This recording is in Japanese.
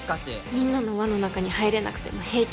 みんなの輪の中に入れなくても平気なふり。